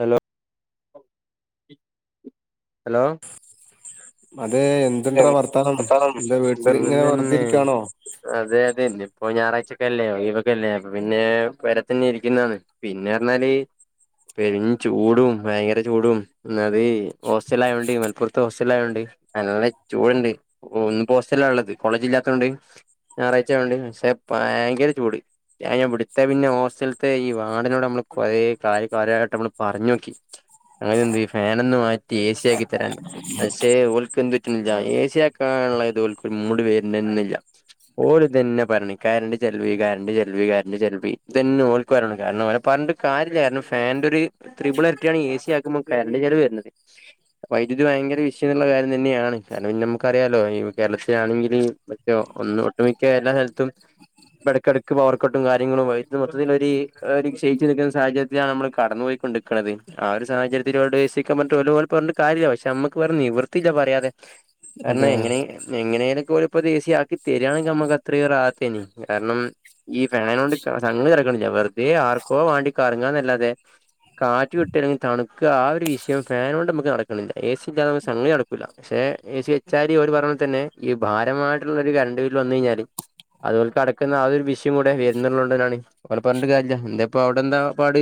Hello hello [unintelligible] അത് എന്തുഡ്രാ വർത്താനം എന്താ സുഖം വീട്ടിലിങ്ങനെ വെർതിരിക്കയാണോ ഇപ്പൊ ഞായറാഴ്ചൊക്കെല്ലേ ഒഴിവൊക്കെയല്ലേ അപ്പൊപിന്നെ പെരെ തന്നെ ഇരിക്കുന്നതാണ് പിന്നെന്ന്പറ്ഞ്ഞാല് പെരിം ചൂടും ഭയങ്കര ചൂടും എന്നത് ഹോസ്റ്റലായോണ്ടേ മലപ്പുറത്തെ ഹോസ് ലായണ്ട് അ [unintelligible] ചൂടുണ്ട് ഹോസ്റ്റലാള്ളത് കോളേജ് ഇല്ലാത്തൊണ്ട് ഞായറാഴ്ച്ചയായോണ്ട് പക്ഷേ ഭയങ്കര ചൂട് ഞാൻ ഞാൻ പിടുത്ത പിന്നെ ഹോസ്റ്റലത്തെ ഈ വാർടനോട് നമ്മള് കൊറേ ക [unintelligible] കാലയമായിട്ട്മ്മള് പറഞ്ഞ് നോക്കി അങ്ങനെ എന്ത് ഈ ഫാൻ ഒന്ന് മാറ്റി എ സി ആക്കി തരാൻ പക്ഷേ ഓൽക്ക് എന്ത് ല്ല എസിയ ആക്കാനുള്ള ഇത് ഓ [unintelligible] മൂട് പേരുന്നില്ല ഓല് തന്നെ പറഞ്ഞു കരണ്ട് ചെലവ് കരണ്ട് ചെലവ് കരണ്ട് ചെലവ് ഇ തന്നെ ഓല്ക്ക് വരണം കാരണം പറഞ്ഞ് കാരില്ല ഫാന്റെ ഒരു ത്രിപിൾ ഇരട്ടിയ ആണ് എസി ആക്കുമ്പോൾ കരണ്ട് ചെലവ് വരുന്നത് വൈദ്യുതി ഭയങ്കര വിഷയംള്ള കാര്യം തന്നെയാണ് കാരണം പിന്നെ നമുക്കറിയാലോ ഈ കേരളത്തിലാണെങ്കിൽ മറ്റേ ഒന്ന്ഒട്ടുമിക്ക എല്ലാ സ്ഥലത്തും ഇടക്കിടക്ക് പവർ കട്ടും കാര്യങ്ങളും വൈദ്യുതി മൊത്തത്തിൽ ഒരുക്ഷയിച്ച് നിൽക്കുന്ന സാഹചര്യത്തിലാണ് നമ്മള് കടന്നു പോയിക്കൊണ്ടിരിക്കണത് ആ ഒരു സാഹചര്യത്തിലോട്ട് ഏസി വെക്കാൻ പറഞ്ഞിട്ട് കാര്യമില്ല പക്ഷെ നമ്മുക്ക് വേറെ നിവർത്തിയില്ല പറയാതെ കാരണം അതെ എങ്ങനെ എങ്ങനേലും ഇത് പോലെ ഇപ്പോത് എ സി ആക്കി തരിയാണെങ്കിൽ നമുക്ക് അത്രയേറേ ആക്കെനി കാരണം ഈ ഫാൻ കൊണ്ട് സംഗതി നടക്കണില്ല വെറുതെ ആർക്കോ വേണ്ടി കറങ്ങാ എന്നല്ലാതെ കാറ്റ് കിട്ടുക അല്ലെങ്കിൽ തണുക്ക് ആ ഒരു വിഷയം ഫാനോണ്ട് നമുക്ക് നടക്കണില്ല എ സി ഇല്ലാതെ നമുക്ക് ഒരു സംഗതി നടക്കൂല പക്ഷെ എസി വെച്ചാൽ ഓര് പറഞ്ഞോ തന്നെ ഈ ഭാരമായിട്ടുള്ള ഒരു കരണ്ട് ബില്ല് വന്ന് കഴിഞ്ഞാല് അത് പോൽ കടക്കുന്ന ആതൊരു വിഷയം കൂടെ വരുന്നുള്ളുണ്ട എന്നാണ് ഓലെ പറഞ്ഞിട്ട് കാര്യല്ല എന്താ ഇപ്പൊ അവിടെ എന്താ പാട്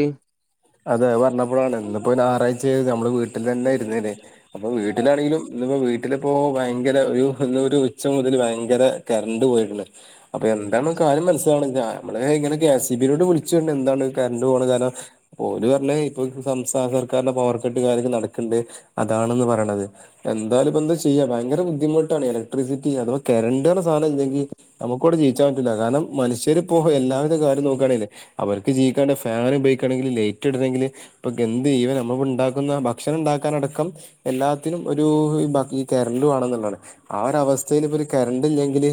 അതെ അത്പറഞ്ഞപ്പഴാണ് ഇന്നിപ്പോ ഞാറാഴ്ച റ്റേത് നമ്മള വീ ട്ടിലന്നെ ഇരിന്നേനെ അപ്പൊ വീട്ടിലാണെങ്കിലും ഇന്ന്പ്പം വീ വീട്ടില്പ്പോ ഭയങ്കരെ ഒരു എന്താ ഒരു ഉച്ച മുതല് ഭയങ്കരെ കറണ്ട് പോയിട്ടുണ്ടെ അപ്പം എന്താണ് കാര്യം മന്സ്സിലാവണ് ആ നമ്മള് ഇങ്ങനെ കെഎസ്ഇബിയിലോട്ട് വിളിച്ചണ്ട് എന്താണ് കറണ്ട് പോകണ കാരണം ഓര് പറഞ്ഞ ഇപ്പൊ സംസ്ഥാന സർക്കാരിന്റെ പവർ കട്ട് കാര്യൊക്കെ നടക്കന്നുണ്ട് അതാണന്ന് പറയണത്. എന്താലുപ്പ എന്താ ചെയ്യാ ഭയങ്കര ബുദ്ധിമുട്ടാണ് ഇലക്ട്രിസിറ്റി അഥവാ കറണ്ട് സാധനം ഇല്ലെങ്കിൽ നമുക്കൂടെ ജീവിച്ചാൻ പറ്റില്ല. കാരണം മനുഷ്യർപ്പോ എല്ലവിധ കാര്യം നോക്കുകയാണെങ്കി അവർക്ക് ജീവിക്കണ്ടേ ഫാനു ഉപയോഗിക്കണെങ്കി ലേറ്റ് ഇടണമെങ്കിൽ ഇപ്പൊ ഗന്ത് ചെയവ നമ്മ ഉണ്ടാക്കുന്ന ഭക്ഷണം ഉണ്ടാക്കാനടക്കം എല്ലാത്തിനും ഒരു ഈ കറണ്ട് വേണനുള്ളതാണ്. ആ ഒരു അവസ്ഥയിൽ ഇപ്പൊ കറണ്ട് ഇല്ലെങ്കിൽ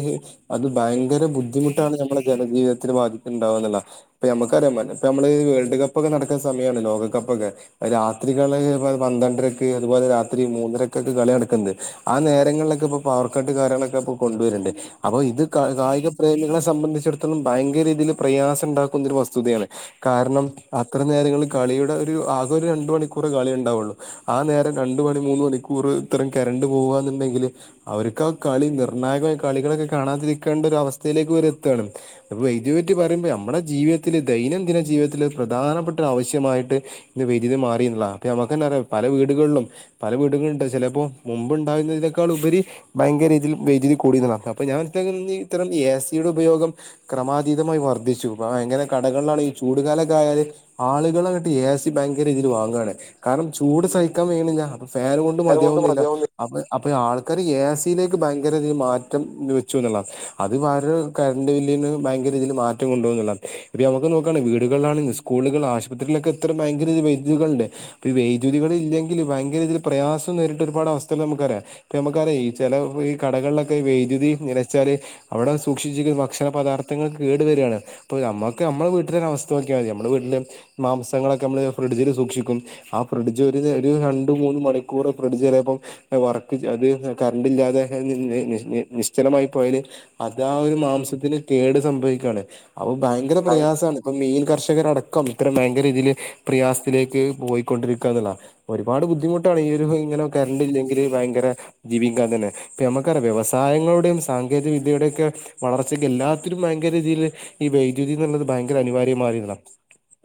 അത് ഭയങ്കര ബുദ്ധിമുട്ടാണ് നമ്മുടെ ജനജീവിതത്തിന് ബാധിക്കണ്ടാവുകന്നുള്ള. ഇ നമുക്കറിയ നമ്മളെ വേൾഡ് കപ്പ് പ്പൊക്കെ നടക്കുന്ന സമയാണ് ലോകകപ്പൊക്കെ. അത് രാത്രികളി പന്ത്രണ്ടരക്കെ അതുപോലെ രാത്രി മൂന്നരക്കൊക്കെ കളി നടക്കണ്ടേ ആ നേരങ്ങളിലൊക്കെ ഇപ്പൊ പവർ കട്ട് കാര്യങ്ങളൊക്കെ ഇപ്പൊ കൊണ്ടുവരണ്ട്. അപ്പൊ ഇത് ക കായിക പ്രേമികളെ സംബന്ധിച്ചിടത്തുന്നു ഭയങ്കര രീതിയിൽ പ്രയാസം ഉണ്ടാക്കുന്ന ഒരു വസ്തുതയാണ്. കാരണം അത്ര നേരങ്ങള് കളിയുടെ ഒരു ആകെ ഒരു രണ്ട് മണിക്കൂറാ കളി ഉണ്ടാവുള്ളു. ആ നേരം രണ്ട് മണി മൂന്ന് മണിക്കൂർ ഇത്തരം കറണ്ട് പോകാന്നുണ്ടെങ്കിൽ അവർക്ക് ആ കളി നിർണ്ണായകായ കളികളൊക്കെ കാണാതിരിക്കേണ്ട ഒരു അവസ്ഥയിലേക്ക് വരെ എത്തേണ്. [unintelligible] പറ്റി പറയുമ്പോൾ നമ്മുടെ ജീവിതത്തിൽ ദൈനംദിന ജീവിതത്തിൽ പ്രധാനപ്പെട്ട ആവശ്യമായിട്ട് ഇന്ന് വൈദ്യുതി മാറി എന്നുള്ളതാണ്. ഇപ്പം നമ്മുക്കെനെ അറിയാം പല വീടുകളിലും പല വീടുകളുണ്ട് ചിലപ്പോൾ മുമ്പ് ഉണ്ടാകുന്നതിനേക്കാൾ ഉപരി ഭയങ്കര രീതിയിൽ വൈദ്യുതി കൂടുന്നുള്ളാണ്. അപ്പൾ ഞാൻ ഇത്തരം എ സിയുടെ ഉപയോഗം ക്രമാതീതമായി വർദ്ധിച്ചു ഭയങ്കര കടകളിലാണ് ഈ ചൂടുകാല യാല് ആളുകൾ അങ്ങിട്ട് എ സി ഭയങ്കര ഇതിൽ വാങ്ങാണ്. കാരണം ചൂട് സഹിക്കാൻ കയ്യണില്ല. ഫേൻ കൊണ്ട് മതിയാവുന്നില്ല. അപ്പ അപ്പൊ ആൾ ആൾക്കാരെ എസിയിലേക്ക് ഭയങ്കരതിൽ മാറ്റം വെച്ചന്നുള്ള. അത് വേ കറണ്ട് ബില്ലിന് ഭയങ്കര രീതിയിൽ മാറ്റം കൊണ്ടുവന്നുന്നെള്ളതണ്. ഇപ്പൊ നമക്ക് നോക്കാണ് വീട് ലെങ്കി സ്കൂളുകൾ ആശുപത്തിരിലൊക്കെ എത്ര ഭയങ്കര വൈദ്യുതികളില്ലേ, ഈ വൈദ്യുതികൾ ഇല്ലെങ്കിൽ ഭയങ്കര രീതിയിൽ പ്രയാസം നേരിട്ട് ഒരുപാട് അവസ്ഥക നമുക്കറിയാം. ഇപ്പ നമുക്കറിയാം ചില ഈ കടകളിലൊക്കെ വൈദ്യുതി നിലച്ചാൽ അവിടെ സൂക്ഷിച്ചിരിക്കുന്ന ഭക്ഷണ പദാർത്ഥങ്ങൾ കേട് വരയാന്നെ അപ്പോ നമ്മക്ക് നമ്മളെ വീ [unintelligible] [unintelligible] നോക്കിയമതി നമ്മുടെ വീട്ടില് മാംസങ്ങളൊക്കെ നമ്മള് ഫ്രിഡ്ജില് സൂക്ഷിക്കും. ആ ഫ്രിഡ്ജ് ഒരു ഒരു രണ്ടു മൂന്ന മണിക്കൂർ ഫ്രിഡ്ജ് ചിലിയപ്പം വർക്ക് അത് കറണ്ട് ഇല്ലാതെ നി നി നി നിശ്ചലമായി പോയല് അതാ ഒരു മാംസത്തിന് കേട് സംഭവിക്കയാണ് ആവോ ഭയങ്കര പ്രയാസണ്. മെയിൽ കർഷകരടക്കം ഇത്തരം ഭയങ്കര രീതിയിൽ പ്രയാസത്തിലേക്ക് പോയികൊണ്ടിരികാണാനുള്ളതാ. ഒരുപാട് ബുദ്ധിമുട്ടാണ് ഈ ഒരു ഇങ്ങനെ കരണ്ട ഇല്ലെങ്കില് ഭയങ്കര ജീവിക്കാൻ തന്നെ കെ നമുക്കറിയാം വ്യവസായങ്ങളുടെയും സാങ്കേതിക വിദ്യയുടെ ഒക്കെ വളർച്ചക്ക് എല്ലാത്തിനും ഭയങ്കര ഇതിലെ ഈ വൈദ്യുതി എന്നുള്ളത് ഭ [unintelligible] അനിവാര്യ [unintelligible]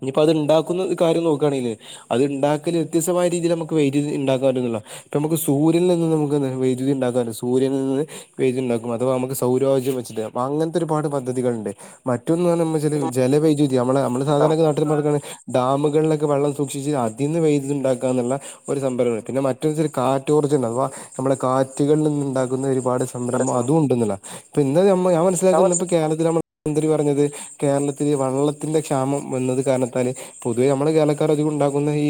ഇനിപ്പൊ അത് ഉണ്ടാക്കുന്ന കാര്യം നോക്കുകയാണെങ്കിൽ അത് ഉണ്ടാക്കൽ വ്യത്യസ്മായ രീതിൽ നമുക്ക് വൈദ്യുതി ഉണ്ടാക്കാൻ പറ്റുന്നുള്ളത്. നമ്മുക്ക് സൂര്യനിൽ നിന്ന് നമുക്ക് വൈദ്യുതി ഉണ്ടാകാൻ സൂര്യനിൽ നിന്ന് വൈദ്യുതി ഉണ്ടാക്കും അഥവാ നമുക്ക് സൗരോജം വെച്ചിടെ. അങ്ങനത്തെ ഒരുപാട് പദ്ധതികളേണ്ട്. മ റ്റുന്നെ പറഞ്ഞ നമ്മ [unintelligible] ലവൈദ്യുതി നമ്മള നമ്മളെ സാധാരണ [unintelligible] ഡാമുക ളേക്ക് വെള്ളം സൂക്ഷിച്ച് അതിന്ന് വൈദ്യുതി ഇണ്ടാക്കാനുള്ള ഒരു സംഭരണയുണ്ട്. പിന്നെ മറ്റൊ കാറ്റർജ അഥവാ നമ്മുടെ കാറ്റുകളിൽ നിന്ന ഉണ്ടാക്കുന്ന ഒരു ഒരുപാട് സംരംഭം അതും ഉണ്ടന്നില്ല. പിന്നെ നമ്മ ഞാൻ മനസ്സിലാക്ക ഇപ്പൊ കേരളത്തിൽ നമ്മ മുഖമന്ത്രി പറഞ്ഞത് കേരള- ഈ വള്ളത്തിന്റെ ക്ഷാമം വന്നത് കാരണത്താല് പൊതുവെ നമ്മള് കേരളക്കാര് അധികം ഉണ്ടാക്കുന്നത് ഈ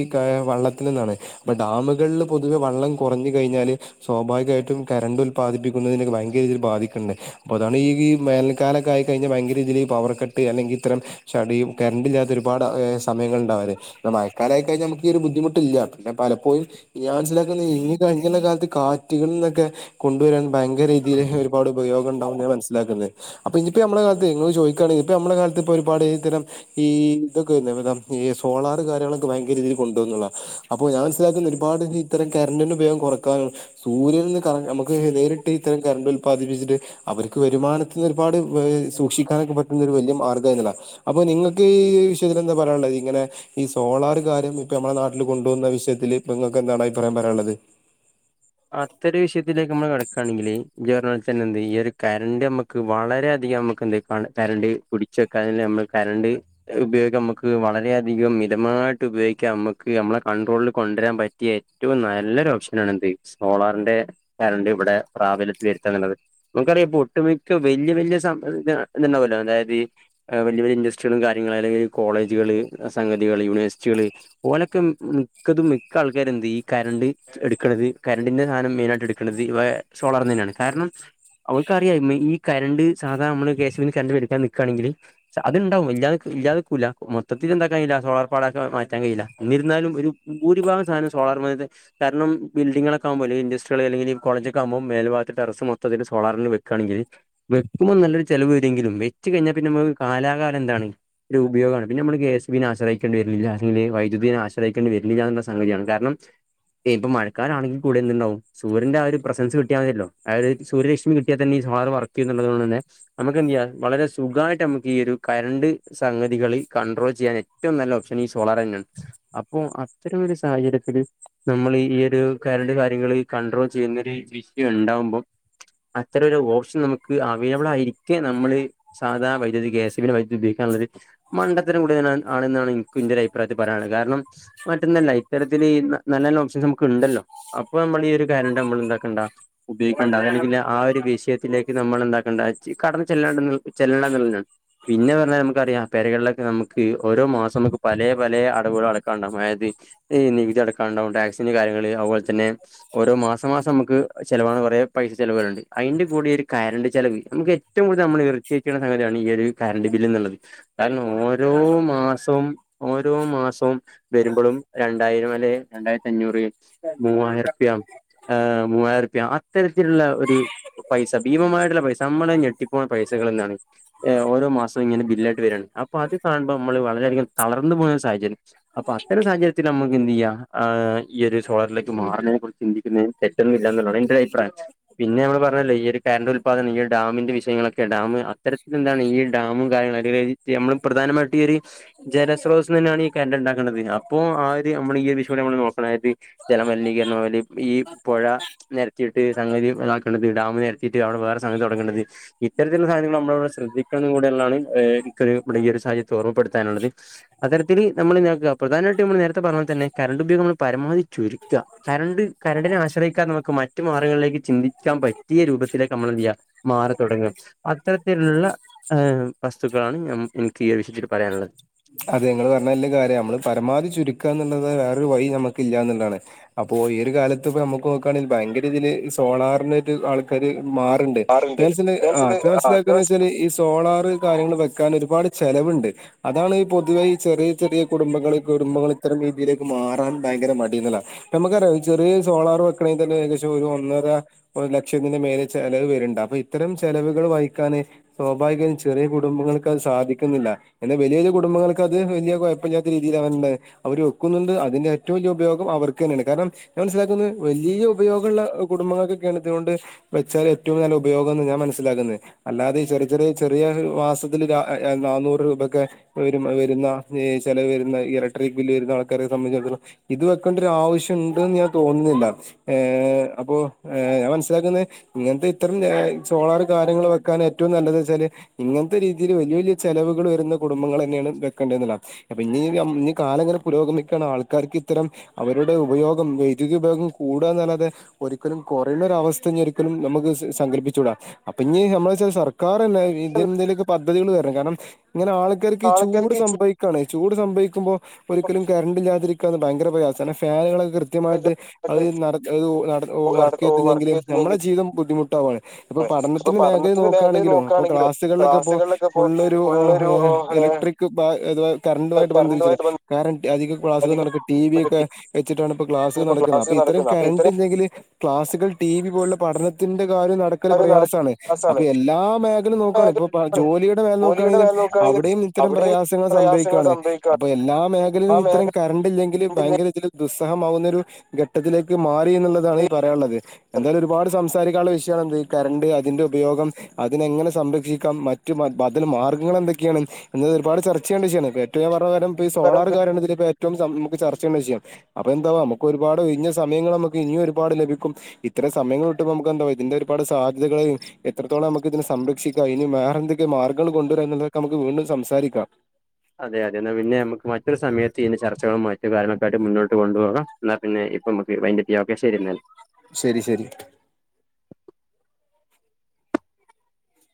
വള്ളത്തിൽ നിന്നാണ് അപ്പൊ ഡാമുകളിൽ പൊതുവെ വള്ളം കുറഞ്ഞു കഴിഞ്ഞാല് - സ്വാഭാവികമായിട്ടും കരണ്ടും ഉൽ - ൽപ്പതിപ്പിക്കുന്നതിന് ഭയങ്കരീതിയിൽ ബാധിക്കുന്നുണ്ട് അപ്പോ അതാണ് ഈ വേനൽക്കാലക്കെ ആയി കഴിഞ്ഞാൽ ഭയങ്കരീതിയിൽ പവർ കട്ട് അല്ലെങ്കിൽ- ഇത്തരം ചടിയും കറണ്ട് ഇല്ലാത്ത ഒരുപാട് സമയങ്ങള് ഉണ്ടാവില്ലേ പിന്നെ മഴക്കാലയായി കഴിഞ്ഞാൽ നമുക്ക് ഈ ഒരു ബുദ്ധിമുട്ടില്ല പിന്നെ പലപ്പോഴും ഞാൻ മനസിലാക്കുന്നത് ഇനി കഴിഞ്ഞ കാലത്ത് കാറ്റുകളിൽ നിന്നൊക്കെ കൊണ്ടുവരാൻ ഭങ്കര രീതിയില് ഒരുപാട് ഉപയോഗം ഉണ്ടാവും എന്ന് ഞാൻ മനസ്സിലാക്കുന്നത് അപ്പൊ ഇനിയിപ്പോ നമ്മളേ കാലത്ത് നിങ്ങൾ ചോദിക്കുകയാണെങ്കിൽ ഇപ്പ നമ്മളേ കാലത്ത്- ഇപ്പോ ഒരുപാട് ഇത്തരം ഈ ഇതൊക്കെ ഇല്ലേ മറ്റേ ഈ സോളാർ കാര്യങ്ങളൊക്കെ ഭയങ്കര രീതിൽ കൊണ്ടുവന്നുള്ള അപ്പൊ ഞാൻ മനസ്സിലാക്കുന്ന ഒരുപാട് ഇത്തരം കരണ്ടറിന് ഉപയോഗം കുറക്കാനാണ് സൂര്യൻ നിന്ന് നമുക്ക് നേരിട്ട് ഇത്തരം കറണ്ട് ഉല്പാദിപ്പിച്ചിട്ട് അവർക്ക് വരുമാനത്തിന്ന് ഒരുപാട്- ഈ സൂക്ഷിക്കാനൊക്കെ പറ്റുന്ന ഒരു വലിയ - അപ്പൊ നിങ്ങൾക്ക് ഈ വിഷയത്തിൽ എന്താ പറയാനുള്ളത് ഇങ്ങനെ ഈ സോളാർ കാര്യം ഇപ്പൊ നമ്മളെ നാട്ടിൽ കൊണ്ടു വന്ന വിഷയത്തില് ഇപ്പൊ നിങ്ങക്ക് എന്താണ് അഭിപ്രായം പറയാനുള്ളത് അത്തൊരു വിഷയത്തിലേക്ക് നമ്മള് കടക്കുകയാണെങ്കില് നീ പറഞ്ഞവെച്ചാ തന്നെ എന്ത് ഈ ഒരു കരണ്ട് നമ്മുക്ക് വളരെയധികം നമുക്ക് എന്ത് കരണ്ട് പിടിച്ചെക്കാൻ നമ്മക്ക്‌ കരണ്ട് ഉപയോഗിക്ക നമുക്ക് വളര അധികം മിതമായിട്ട് ഉപയോഗിക്കാം നമ്മക്ക് നമ്മളെ കൺട്രോളിൽ കൊണ്ടുവരാൻ പറ്റിയ ഏറ്റവും നല്ലൊരു ഓപ്ഷനാണ് ഇത് സോളാറിന്റെ കറണ്ട് ഇവിടെ പ്രാബലത്തിൽ വരുത്താ എന്നുള്ളത് നമുക്കറിയാം ഇപ്പൊ ഒട്ടുമിക്ക വലിയ വലിയ സംഭ ഇതുണ്ടാവല്ലോ അതായത് വല്യ വല്യ ഇൻഡസ്ട്രികളും കാര്യങ്ങള അല്ലെങ്കിൽ കോളേജുകള് സംഗതികള് യൂണിവേഴ്സിറ്റികള് ഓനോക്കെ മിക്കതും മിക്ക ആൾക്കാര എന്ത് ഈ കറണ്ട് എടുക്കണത് കരണ്ടിന്റെ സാധനം മെയിനാട്ട് എടുക്കണുന്നത് ഈ സോളാർന്ന് തന്നെയാണ് കാരണം അവര്ക്കറിയാം ഈ കറണ്ട് സാധാരണ നമ്മള് കെ സി ബി ന്ന് കറണ്ട് മേടിക്കാൻ നിക്കുകയാണെങ്കിൽ അത്ണ്ടാവും ഇല്ലാ ഇല്ലാതക്കൂല്ല മൊത്തത്തിലെന്താ കഴിയില്ല സോളാർ പാടൊക്കെ മാറ്റാൻ കഴയില്ല എന്നിരുന്നാലും ഒരു ഭൂരിഭാഗം സാധനം സോളാർ കാരണം ബിൽഡിങ്ങൊക്കെ ആകുമ്പോഴ് ഇൻസ്ട്രികൾ അല്ലെങ്കിൽ കോളേജോക്കെ ആകുമ്പോ മേൽഭാഗത്തെ ടെറസ് മൊത്തത്തിൽ സോളാറിൽ വെക്കുകണെങ്കി വെക്കുമ്പോ നലൊരു ചെലവ് വരിങ്കിലും വെച്ചു കഴിഞ്ഞാ പിന്നെ നമ്മക്ക്‌ കാലകാലം എന്താണ് ഒരു ഉപയോഗമാണ് പിന്നെ നമ്മള് കെ സി ബിനെ ആശ്രയിക്കേണ്ടി വരൂല അല്ലെങ്കിൽ വൈദ്യുതി ആശ്രയിക്കേണ്ടി വരില്ല എന്നുള്ള സംഗതിയാണ് കാരണം ഇപ്പ മഴക്കാലാണെങ്കിൽ- കൂടെ എന്തുണ്ടാവും സൂര്യന്റെ ആ ഒരു പ്രസൻസ് കിട്ടിയാ മതിയല്ലോ ആ ഒരു സൂര്യലക്ഷ്മി കിട്ടിയാൽ തന്നെ സോളർ വർക്ക് ചെയ്യ എന്നുള്ളതുക കൊണ്ട് തന്നെ നമുക്ക് എന്ത് ചെയ്യാം വളരെ സുഖമായിട്ട് നമുക്ക് ഈ ഒരു കരണ്ട് സംഗതികൾ കണ്ട്രോൾ ചെയ്യാൻ ഏറ്റവും നല്ല ഓപ്ഷൻ ഈ സോളാർ തന്നെയാണ് അപ്പോൾ അത്തരം ഒരു സാഹചര്യത്തില് നമ്മൾ ഈ ഒരു- കറണ്ട് കാര്യങ്ങൾ കൺണ്ട്രോൾ ചെയ്യുന്നരു വിഷയം ഉണ്ടാവുമ്പോം അത്തരം ഒരു ഓപ്ഷൻ നമുക്ക് അവൈലബിൾ ആയിരിക്കേ നമ്മള് സാധാ വൈദ്യുതി കേ സി ബി വൈദ്യുതി ഉപയോഗിക്കാനുള്ള ഒരു മണ്ടത്തരം കൂടി തന്നെ ആണെന്നാണ് എനിക്ക് ഇന്റെ ഒരു അഭിപ്രായത്തിൽ പറയാനത് കാരണം മറ്റൊന്നല്ല ഇത്തരത്തില് നല്ല നല്ല ഓപ്ഷൻസ് നമുക്ക് ഉണ്ടല്ലോ അപ്പൊ നമ്മൾ ഈ ഒരു കരണ്ട് നമ്മൾ എന്താക്കേണ്ട ഉപയോഗിക്കേണ്ട അല്ലെങ്കിൽ ആ ഒരു വിഷയത്തിലേക്ക് നമ്മൾ എന്താക്കേണ്ട കടന്ന് ചെല്ലണ്ട ചെല്ലണ്ടുള്ളതാണ് പിന്നെ പറഞ്ഞാൽ നമുക്കറിയാം പരകളിലൊക്ക നമക്ക് ഓരോ മാസം നമുക്ക് പല പലേ അടുവുകൾ അടക്കാണ്ടകും അതായത്ഈ നികുതി അടക്കാ ഉണ്ടാവും ടാക്സിന്റെ കാര്യങ്ങള് അതുപോലെ തന്നെ - പിന്നെ ഓരോ മാസം മാസം നമുക്ക് ചെലവാണന്ന് പറയാം പൈസ ചെലവ് വരനുണ്ട് അതിന്റെ കുടേ ഒരു കറണ്ട് ചെലവ് നമുക്ക് ഏറ്റവും കൂടുതൽ നമ്മളെ ഇറിറ്റേറ്റ് ചെയ്യുന്ന സംഗതിയാണ് ഈ ഒരു കറണ്ട് ബില് എന്നുള്ളത് കാരണം ഓരോ മാസവും ഓരോ മാസവും വരുമ്പോഴും രണ്ടായിരം അല്ലെ രണ്ടായിരത്തി അഞ്ഞൂറ്- മൂവായിരം റുപ്യ ഏ മൂവായിരം റുപ്യ അത്തരത്തിലുള്ള ഒരു പൈസ ഭീമമായിട്ടുള്ള പൈസ നമ്മള് ഞെട്ടിപ്പോണ പൈസകൾ എന്താണ് ഓരോ മാസവും ഇങ്ങനെ ബില്ലായിട്ട് വരാണ്. അപ്പൊ അത് കാണുമ്പോ നമ്മള് വളരെയധികം തളർന്നു പോകുന്ന ഒരു സാഹചര്യം. അപ്പൊ അത്തരം സാഹചര്യത്തിൽ നമുക്ക് എന്ത് ചെയ്യാം ആ ഈ ഒരു സോളറിലേ ക്ക് മാറുന്നതിനെ കുറിച്ച് ചിന്തിക്കുന്നതിന് തെറ്റൊന്നുമില്ല എന്നുള്ളാണ് എന്റെ ഒരു അഭിപ്രായം പിന്നെ നമ്മള് പറഞ്ഞല്ലോ ഈ ഒരു കറണ്ട് ഉല്പാദനം ഈ ഒരു ഡാമിന്റെ വിഷയങ്ങളൊക്കെ ഡാം അത്തരത്തിലെന്താണ് ഈ ഡാമും കാര്യങ്ങളും അല്ലെ നമ്മള് പ്രധാനമായിട്ട് ഈ ഒരു ജലശ്രോതസ്സു തന്നെയാണ് ഈ കറണ്ട് ഉണ്ടാക്കണത് അപ്പോ ആ ഒരു നമ്മള് ഈ വിഷയ നമ്മ നോക്കണതായിട്ട് ജലമലിനീകരണം അ ഈ പുഴ നെരത്തിയിട്ട് സംഗതി ഇതാക്കണ്ടത് ഡാമ് നെരത്തിയിട്ട് അവിടെ വേറെ സംഗതി തൊടങ്ങണ്ടത് ഇത്തരത്തിലുള്ള സാഹചര്യങ്ങൾ നമ്മളവിടെ ശ്രദ്ധിക്കണന്നു കൂടെയുള്ളതാണ് ഒരു ഇവിടെ ഈ ഒരു സാഹചര്യത്തി ഓർമ്മപ്പെടുത്താനുള്ളത് അത്തരത്തില് നമ്മള് പ്രധാനായിട്ട് നമ്മൾ നേരത്തെ പറഞ്ഞപോൽ തന്നെ കറണ്ട് ഉപയോഗം നമ്മൾ പരമാവധി ചുരുക്കി കരണ്ട് കരണ്ടിനെ ആശ്രയിക്കാൻ നമുക്ക് മറ്റു മാർഗങ്ങളിലേക്ക് ചിന്തിക്കാൻ പറ്റിയ രൂപത്തിലേക്ക് നമ്മളെന്ത്ചെയ്യാ മാറിത്തുടങ്ങുക. അത്തരത്തിലുള്ള ഏ വസ്തുക്കളാണ് ഞ എനിക്ക് ഈ ഒരു വിഷയത്തില് പറയാനുള്ളത്. അതെ നിങ്ങള് പറഞ്ഞാ എല്ലാം കാര്യാ ഞമ്മള് പരമാവധി ചുരുക്കുക എന്നുള്ളത് വേറൊരു വഴി ഞമ്മക്ക് ഇല്ല എന്നുള്ളതാണ് അപ്പോ ഈ ഒരു കാലത്ത് ഇപ്പോ നമ്മുക്ക് നോക്കുകാണേൽ ഭയങ്കര രീതിൽ സോളാറിന് ഒരു ആൾക്കാര് മാറണ്ട്. ആറുണ്ട് കേൾസില് ആ കേൾസിലേക്കെന്നുവെച്ചാല് വെച്ചാല് ഈ സോളാർ കാര്യങ്ങൾ വെക്കാൻ ഒരുപാട് ചെലവാ അതാണ് പൊതുവെ ഈ ചെറിയ ചെറിയ കുടുംബങ്ങള് കുടുംബങ്ങള് ഇത്തരം രീതിയിലേക്ക് മാറാൻ ഭയങ്കര മടികളാ നമ്ക്കറിയൊ. ഇ ചെറിയെ സോളാർ വെക്കണെങ്കി തനെ ഏകദേശം ഒരു ഒന്നര ഒരുലക്ഷത്തിന്റെ മേലെ ചെലവ് വെര്ണ്ട്. അപ്പഇത്തരം ചെലവുകൾ വഹിക്കാന് സ്വാഭാവികം ചെറിയ കുടുംബങ്ങൾക്ക് അത് സാധിക്കുന്നില്ല. എന്നാ വെലിയൊരു കുടുംബങ്ങൾക്ക് അത് വെല്ല്യ കൊയപ്പല്ല്യാത്ത രീതിയില അവരുടെ അവരു വൊക്കുന്നുണ്ട്. അതിന്റെ ഏറ്റവും വല്ല്യ ഉപയോഗം അവർക്കെനേണ്. കാരണം ഞാൻ മനസ്സിലാക്കുന്നത് വലിയ്യ ഉപയോഗ്ള്ള കുടുംബങ്ങൾകൊക്കെണ് ഇത്കൊണ്ട് വെച്ചാൽ ഏറ്റവും ന്നല്ല ഉപയോഗാന്ന് ഞാൻ മനസ്സിലാക്ക്‌ന്നേ. അല്ലാതെ ചെറി ചെറിയെ ചെറിയാ ഒരു വാസത്തില് രാ എ യെ ന്നാന്നൂറ് രൂപൊക്കെ അത് വരും അത് വരുന്ന ചിലവ് വരുന്ന ഇലക്ട്രിക് ബില്ല് വരുന്ന ആൾക്കാരെ സംബന്ധിച്ചിടത്തോളം ഇത് വെക്കേണ്ടരാവിവശ്യണ്ട്ന്ന് ഞാൻ തോന്നുന്നില്ല. ഏഹ് അപ്പോ ഞാൻ മനസിലാക്കുന്നത് ഇങ്ങനത്തെ ഇത്തരം സോളാർ കാര്യങ്ങൾ, വെക്കാൻ ഏറ്റവും നല്ലത് ന്ന് വെച്ചാല് ഇങ്ങനത്തെ രീതിയിൽ വലിയ വലിയ ചെലവുകള് വരുന്ന കു കുടുംബങ്ങൾ തന്നെയാണ് വെക്കേണ്ടത് ന്ന്ള്ളാണ് അപ്പൊ നി ഇനി കാലം ഇങ്ങനെ പുരോഗമിക്കാണ്. ആൾക്കാർക്ക് ഇത്തരം അവരുടെ ഉപയോഗം വൈദ്യുതി ഉപയോഗം കൂടുക എന്നതല്ലാതെ ഒരിക്കലും കുറയുന്നൊരവസ്ഥ ഇനി ഒരിക്കലും നമുക്ക് സംങ്കല്പ്പിച്ചുടാ. അപ്പൊ ഇനി നമ്മള [unintelligible] സ [unintelligible] ഇതെന്തേലൊക്കെ പർ [unintelligible] കാരണം ഇങ്ങനെ ആള ഇടക്കെടക്ക് ചൂട് ആൾക്കാർക്ക് സംഭവിക്കാണ് ചൂട് സംഭവിക്കുമ്പോ ഒരിക്കലും കരണ്ടില്ലാതിരിക്ക [unintelligible] ഭയങ്കര പ്രയാസാണ് ഫാനുകള് കൃത്യമായിട്ട് അത് നട അഅ് നട വർക്ക് വർക്കെയ്തില്ലെങ്കില് നമ്മളെ ചെയ്തില്ലെങ്കിൽ ജീവിതം ബുദ്ധിമുട്ടാവാണ്. ഇപ്പൊ പഠനത്തിന് മേഖല പഠനത്തിന്റെ നോക്കുകയാണെങ്കിലും അപ്പോ, നോക്കുകയാണെങ്കിലോ ക്ലാസ്സുകളിലൊക്കെപ്പോ ഇപ്പോ ക്ലാസ്സുകളിലൊക്കെ ഫുള്ളരു ഫുള്ളൊരു ഏ എലക്ട്രിക് ബാ എത് വാ കറണ്ടറുമായിട്ട് ബന്ധിപ്പിച്ചിട്ട്, കറണ്ടുമായിട്ട് ബന്ധ അധികം ക്ലാസ്സുകൾ അധികം നടക്കും. ടി വി ഒക്കെ വെച്ചിട്ടാണ് ഇപ്പോ ക്ലാസ്സുകൾ ഇപ്പോ നടക്കുന്നത്. അപ്പോ ക്ലാസ് ഇത്തരം നടക്കുന്നത് അപ്പൊ ഇത്രയും കറണ്ട്ണ്ടെങ്കിൽ ക്ലാസ്സുകൾ ടി വി പോലുള്ള പഠനത്തിന്റെ കാര്യം നടക്കല് കാര്യം നട പ്രയാസാണ്. അപ്പൊ ക്ലാസാണ് എല്ലാ മേഖല നോക്കുവാണ്, ഇപ്പൊ പ്പൊ ജോലിയുടെ മേഖല നോക്കാണെങ്കിലും ജോലിയുടെ നോക്കുയാണെങ്കിലും മേഖല നോക്കുകയാണെങ്കിൽ അവിടെയും ഇത്തരം അവിടെയും പ്രയാസങ്ങൾ പ്രയാസങ്ങൾ സംഭവിക്കാണ്. സംഭവിക്കാണ് അപ്പൊ എല്ലാ ആ മേഖലയിലും ഇത്തരം മേഖല കറണ്ട് ഇല്ലെങ്കില് ഭയങ്കര ഇതിൽ റിസ് ഹമാവുന്ന ഒരു ഘട്ടത്തിലേക്ക് മാറി എന്ന്ള്ളതാണ് ഈ പറയാള്ളത്. എന്തായാലും ഒരുപാട് സംസാരിക്കാള്ള വിഷയാണ് എന്ത് ഈ കറണ്ട്, അതിന്റെ ഉപയോഗം, അതിനെങ്ങനെ സംരക്ഷിക്കാം, മറ്റു അതിന് മാർഗങ്ങൾ എന്തൊ ക്കെയാണ് എന്നത് ഒരുപാട് ചർച്ച ചെയ്യേണ്ട വിഷയാണ്. ഇപ്പ ഏറ്റ പകരം പ്പീ സോളാർ കാരണം ഇതിലിപ്പൊ ഏറ്റവും സം ചർച്ച ചെയണ്ട വിശയാണ്. അപ്പൊ എന്താവാ അമ്മക്ക് ഒരുപാട് ഒയ്ഞ്ഞ സമയങ്ങളമ്മക്ക് ഇനിയും ഒരുപാട് ലഭിക്കും. ഇത്തരം സമയങ്ങള്ട്ട്മ്പൊ മുക്ക് എന്താ വ ഇതിന്റെ ഒരുപാട് സാധ്യതകള്, എത്രത്തോളം അമ്മക്ക്തിന സംരക്ഷിക്കാ, അയ്ന് വേറെന്തൊക്കെ മാർഗ്ങ്ങൾ കൊണ്ടുവരാ എന്ന്ള്ള ഒക് ക്കെമുക്ക് വീണ്ടും സംസാരിക്കാം അതെ അതെ എന്നാ പിന്നെ നമുക്ക് മറ്റൊരു സമയത്ത് ഇതിന്റെ ചർച്ചകളും മറ്റും കാര്യങ്ങളൊക്കെ യിട്ട് മുന്നോട്ട് കൊണ്ടുപോക. ന്നാ പിന്നെ ഇപ്പമ്മക്ക് വൈന്റ് അപ്പ് ചെയ്യാം, ഓകെ ശരിന്നാല് ശരി ശരി